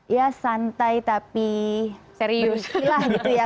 iya santai tapi bersih lah gitu ya